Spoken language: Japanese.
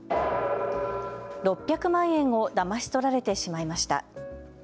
６００万円をだまし取られてしまいました。